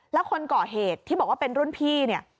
แล้วคนก่อเหตุที่บอกว่าเป็นรุ่นพี่เนี่ย